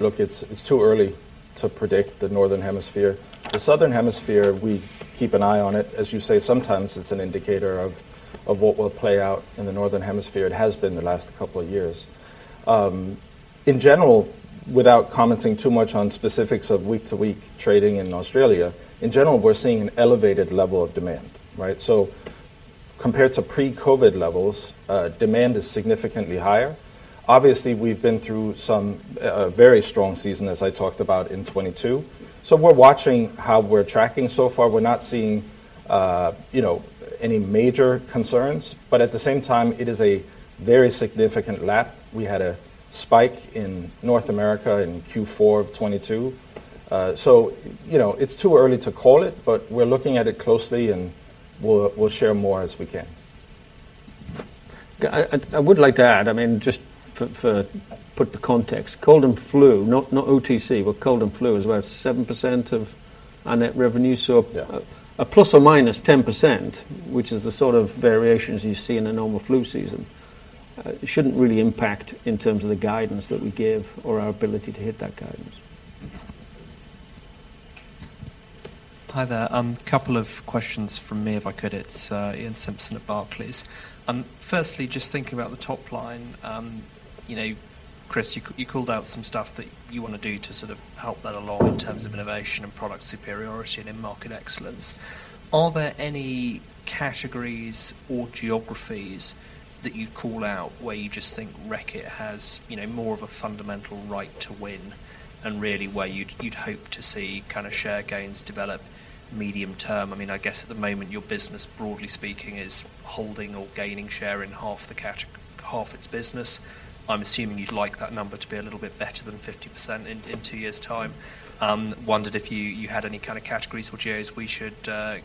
D: look, it's too early to predict the Northern Hemisphere. The Southern Hemisphere, we keep an eye on it. As you say, sometimes it's an indicator of what will play out in the Northern Hemisphere. It has been the last couple of years. In general, without commenting too much on specifics of week-to-week trading in Australia, in general, we're seeing an elevated level of demand, right? Compared to pre-COVID levels, demand is significantly higher. Obviously, we've been through some very strong season, as I talked about in 2022, we're watching how we're tracking. So far, we're not seeing, you know, any major concerns, but at the same time, it is a very significant lap. We had a spike in North America in Q4 of 2022. You know, it's too early to call it, but we're looking at it closely, and we'll share more as we can.
C: I would like to add, I mean, just for put the context, cold and flu, not OTC, but cold and flu is about 7% of our net revenue.
D: Yeah.
C: A ±10%, which is the sort of variations you see in a normal flu season, it shouldn't really impact in terms of the guidance that we give or our ability to hit that guidance.
I: Hi there. A couple of questions from me, if I could. It's Iain Simpson at Barclays. Firstly, just thinking about the top line, you know, Kris, you called out some stuff that you wanna do to sort of help that along in terms of innovation and product superiority and in-market excellence. Are there any categories or geographies that you'd call out where you just think Reckitt has, you know, more of a fundamental right to win and really where you'd hope to see kinda share gains develop medium term? I mean, I guess at the moment, your business, broadly speaking, is holding or gaining share in half its business. I'm assuming you'd like that number to be a little bit better than 50% in two years' time. Wondered if you had any kind of categories or geos we should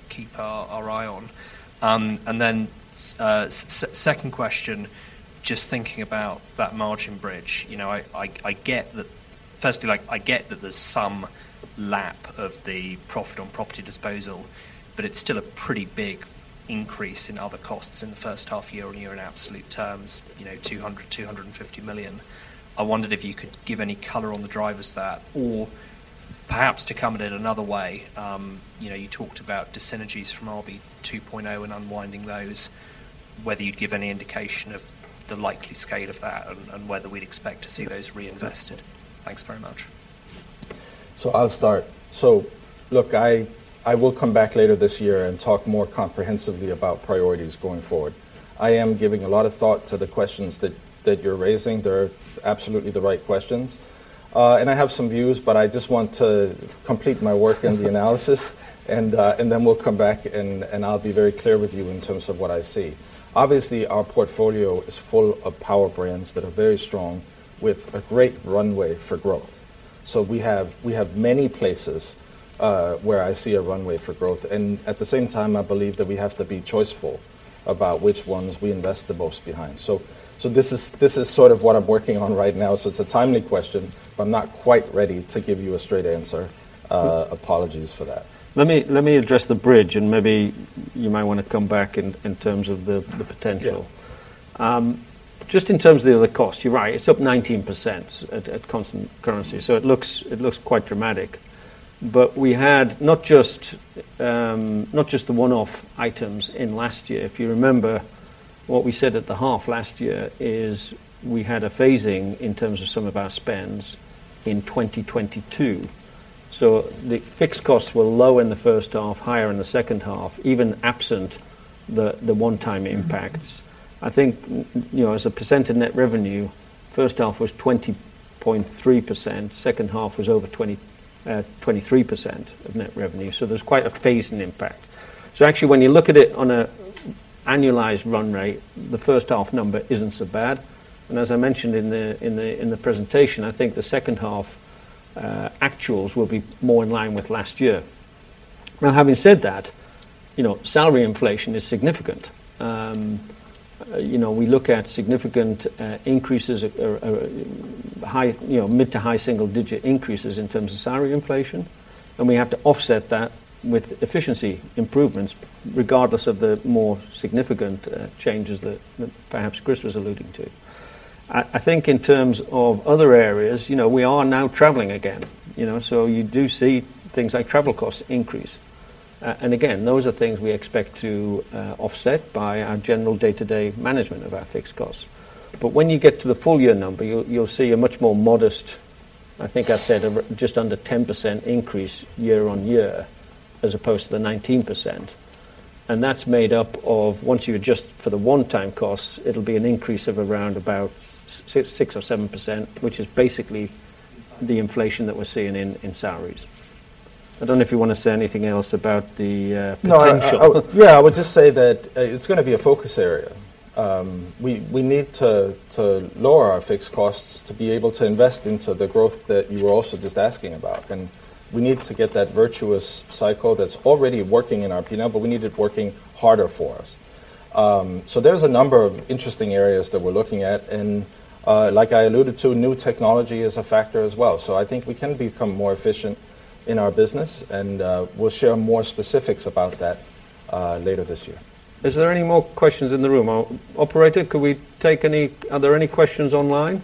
I: keep our eye on. Second question, just thinking about that margin bridge, you know, I get that firstly, like, I get that there's some lap of the profit on property disposal, but it's still a pretty big increase in other costs in the first half year on year in absolute terms, you know, 200 million-250 million. I wondered if you could give any color on the drivers there. Perhaps to come at it another way, you know, you talked about dissynergies from RB 2.0 and unwinding those, whether you'd give any indication of the likely scale of that and whether we'd expect to see those reinvested? Thanks very much.
D: I'll start. Look, I will come back later this year and talk more comprehensively about priorities going forward. I am giving a lot of thought to the questions that you're raising. They're absolutely the right questions. And I have some views, but I just want to complete my work in the analysis, and then we'll come back and I'll be very clear with you in terms of what I see. Obviously, our portfolio is full of power brands that are very strong, with a great runway for growth. We have many places where I see a runway for growth, and at the same time, I believe that we have to be choiceful about which ones we invest the most behind. This is sort of what I'm working on right now. It's a timely question, but I'm not quite ready to give you a straight answer. Apologies for that.
C: Let me address the bridge, and maybe you might want to come back in terms of the potential.
D: Yeah.
C: Just in terms of the other costs, you're right, it's up 19% at constant currency, so it looks quite dramatic. We had not just the one-off items in last year. If you remember, what we said at the half last year is we had a phasing in terms of some of our spends in 2022. The fixed costs were low in the first half, higher in the second half, even absent the one-time impacts. I think, you know, as a percent of net revenue, first half was 20.3%, second half was over 23% of net revenue, so there's quite a phasing impact. Actually, when you look at it on a annualized run rate, the first half number isn't so bad. As I mentioned in the presentation, I think the second half actuals will be more in line with last year. Having said that, you know, salary inflation is significant. You know, we look at significant increases or high, you know, mid to high single-digit increases in terms of salary inflation, and we have to offset that with efficiency improvements, regardless of the more significant changes that perhaps Kris was alluding to. I think in terms of other areas, you know, we are now traveling again, you know, so you do see things like travel costs increase. And again, those are things we expect to offset by our general day-to-day management of our fixed costs. When you get to the full year number, you'll see a much more modest, I think I said, over just under 10% increase year-on-year, as opposed to the 19%. That's made up of once you adjust for the one-time costs, it'll be an increase of around about 6% or 7%, which is basically the inflation that we're seeing in salaries. I don't know if you want to say anything else about the potential.
D: No, I. Yeah, I would just say that it's gonna be a focus area. We need to lower our fixed costs to be able to invest into the growth that you were also just asking about, and we need to get that virtuous cycle that's already working in RP now, but we need it working harder for us. There's a number of interesting areas that we're looking at, and like I alluded to, new technology is a factor as well. I think we can become more efficient in our business, and we'll share more specifics about that later this year.
C: Is there any more questions in the room? Operator, are there any questions online?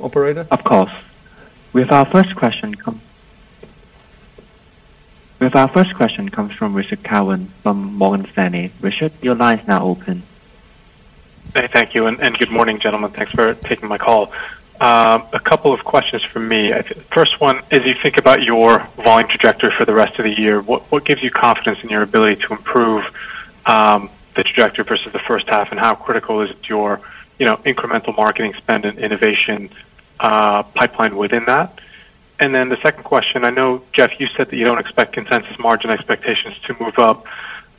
C: Operator?
A: Of course. We have our first question comes from Rashad Kawan, from Morgan Stanley. Rashad, your line is now open.
J: Hey, thank you, and good morning, gentlemen. Thanks for taking my call. A couple of questions from me. First one, as you think about your volume trajectory for the rest of the year, what gives you confidence in your ability to improve the trajectory versus the first half, and how critical is your, you know, incremental marketing spend and innovation pipeline within that? The second question, I know, Jeff, you said that you don't expect consensus margin expectations to move up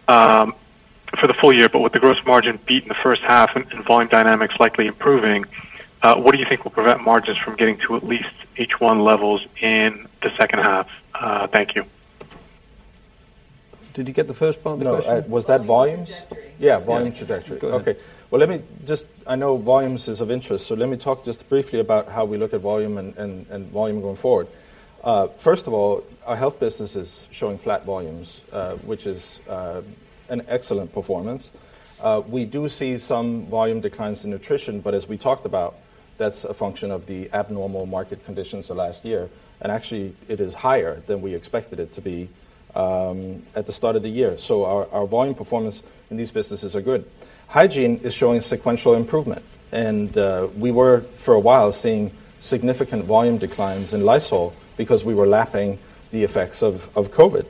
J: for the full year, but with the gross margin beat in the first half and volume dynamics likely improving, what do you think will prevent margins from getting to at least H1 levels in the second half? Thank you.
C: Did you get the first part of the question?
D: No. Was that volumes? Volume trajectory. Yeah, volume trajectory.
C: Yeah. Go ahead.
D: Okay. Well, I know volumes is of interest, let me talk just briefly about how we look at volume and volume going forward. First of all, our health business is showing flat volumes, which is an excellent performance. We do see some volume declines in nutrition, as we talked about, that's a function of the abnormal market conditions of last year. Actually, it is higher than we expected it to be at the start of the year. Our volume performance in these businesses are good. Hygiene is showing sequential improvement, and we were, for a while, seeing significant volume declines in Lysol because we were lapping the effects of COVID.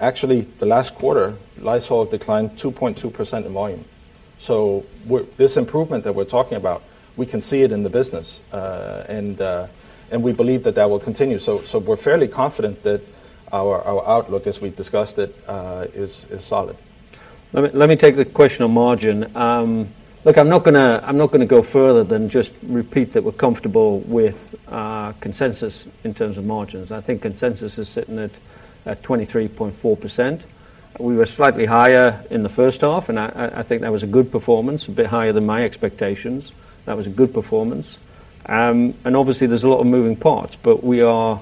D: Actually, the last quarter, Lysol declined 2.2% in volume. With this improvement that we're talking about, we can see it in the business, and we believe that that will continue. We're fairly confident that our outlook, as we've discussed it, is solid.
C: Let me take the question on margin. Look, I'm not gonna go further than just repeat that we're comfortable with consensus in terms of margins. I think consensus is sitting at 23.4%. We were slightly higher in the first half, I think that was a good performance, a bit higher than my expectations. That was a good performance. Obviously, there's a lot of moving parts, but we are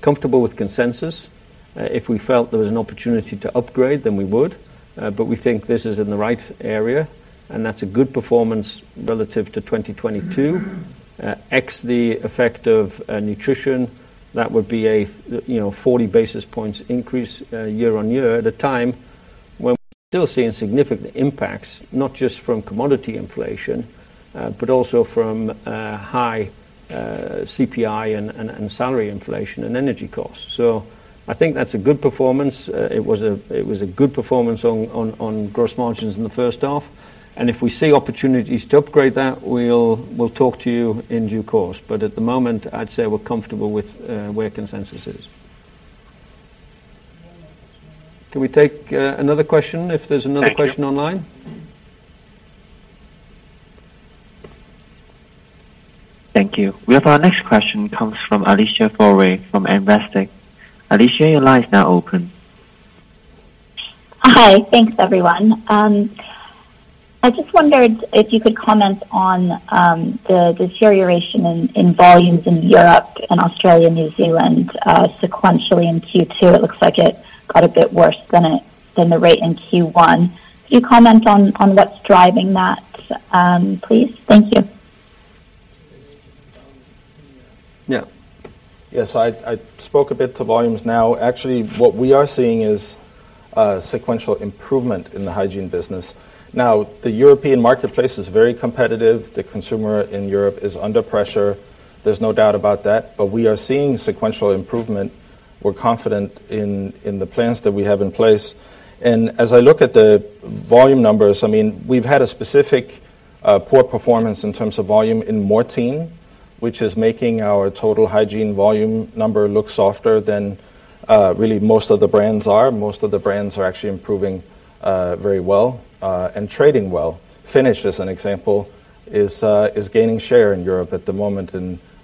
C: comfortable with consensus. If we felt there was an opportunity to upgrade, then we would, but we think this is in the right area, that's a good performance relative to 2022. Ex the effect of nutrition, that would be a, you know, 40 basis points increase year-on-year at a time when we're still seeing significant impacts, not just from commodity inflation, but also from high CPI and salary inflation and energy costs. I think that's a good performance. It was a good performance on gross margins in the first half, and if we see opportunities to upgrade that, we'll talk to you in due course. At the moment, I'd say we're comfortable with where consensus is. Can we take another question if there's another question online?
A: Thank you. We have our next question comes from Alicia Forry from Investec. Alicia, your line is now open.
K: Hi. Thanks, everyone. I just wondered if you could comment on the deterioration in volumes in Europe and Australia, New Zealand, sequentially in Q2. It looks like it got a bit worse than the rate in Q1. Could you comment on what's driving that, please? Thank you.
C: Yeah.
D: Yes, I spoke a bit to volumes now. Actually, what we are seeing is a sequential improvement in the Hygiene business. The European marketplace is very competitive. The consumer in Europe is under pressure. There's no doubt about that. We are seeing sequential improvement. We're confident in the plans that we have in place. As I look at the volume numbers, I mean, we've had a specific poor performance in terms of volume in Mortein, which is making our total Hygiene volume number look softer than really most of the brands are. Most of the brands are actually improving very well and trading well. Finish, as an example, is gaining share in Europe at the moment.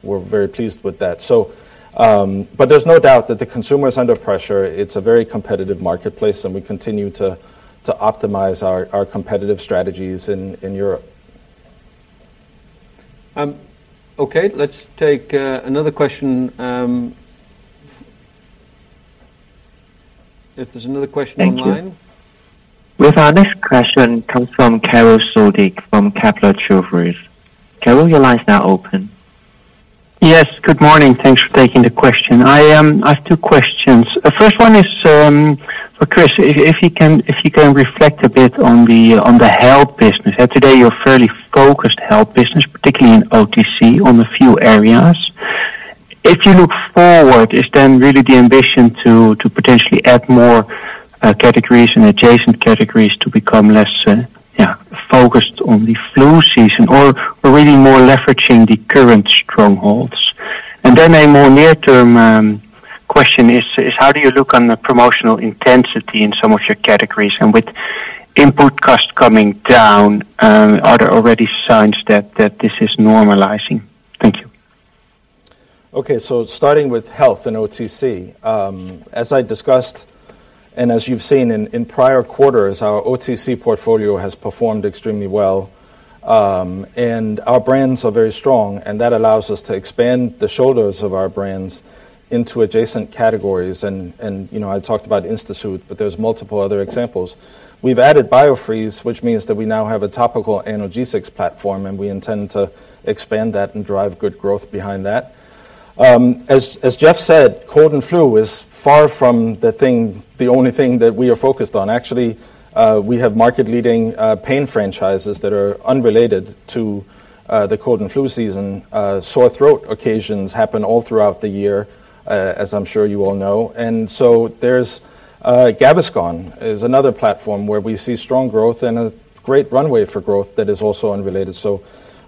D: We're very pleased with that. There's no doubt that the consumer is under pressure. It's a very competitive marketplace, and we continue to optimize our competitive strategies in Europe.
C: Okay, let's take another question, if there's another question online.
A: Thank you. Well, our next question comes from Karel Zoete from Kepler Cheuvreux. Karel, your line is now open.
L: Yes, good morning. Thanks for taking the question. I have two questions. The first one is for Kris, if you can reflect a bit on the health business. Today, you're a fairly focused health business, particularly in OTC, on a few areas. If you look forward, is really the ambition to potentially add more categories and adjacent categories to become less focused on the flu season, or really more leveraging the current strongholds? A more near-term question is how do you look on the promotional intensity in some of your categories? With input costs coming down, are there already signs that this is normalizing? Thank you.
D: Starting with health and OTC. As I discussed, and as you've seen in prior quarters, our OTC portfolio has performed extremely well. Our brands are very strong, and that allows us to expand the shoulders of our brands into adjacent categories. You know, I talked about InstaSoothe, but there's multiple other examples. We've added Biofreeze, which means that we now have a topical analgesics platform, and we intend to expand that and drive good growth behind that. As Jeff said, cold and flu is far from the thing, the only thing that we are focused on. Actually, we have market-leading pain franchises that are unrelated to the cold and flu season. Sore throat occasions happen all throughout the year, as I'm sure you all know. There's Gaviscon is another platform where we see strong growth and a great runway for growth that is also unrelated.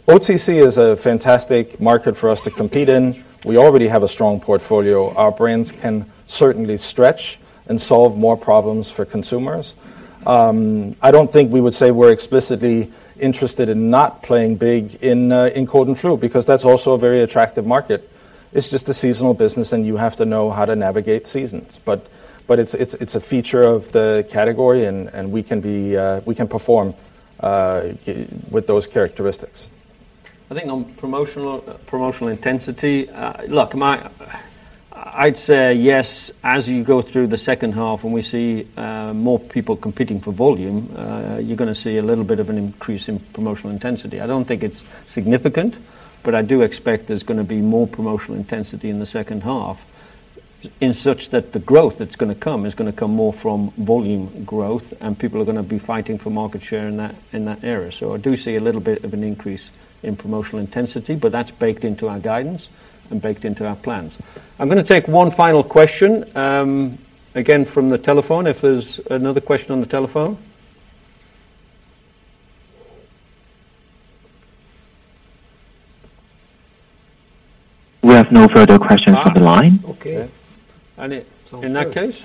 D: OTC is a fantastic market for us to compete in. We already have a strong portfolio. Our brands can certainly stretch and solve more problems for consumers. I don't think we would say we're explicitly interested in not playing big in cold and flu, because that's also a very attractive market. It's just a seasonal business, and you have to know how to navigate seasons. It's a feature of the category and we can be we can perform with those characteristics.
C: I think on promotional intensity, look, I'd say yes, as you go through the second half and we see more people competing for volume, you're gonna see a little bit of an increase in promotional intensity. I don't think it's significant. I do expect there's gonna be more promotional intensity in the second half, in such that the growth that's gonna come is gonna come more from volume growth. People are gonna be fighting for market share in that, in that area. I do see a little bit of an increase in promotional intensity, but that's baked into our guidance and baked into our plans. I'm gonna take one final question, again, from the telephone, if there's another question on the telephone.
A: We have no further questions on the line.
C: Okay.
D: Yeah.
C: In that case.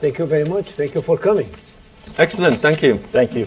A: Thank you very much. Thank you for coming.
C: Excellent. Thank you.
D: Thank you.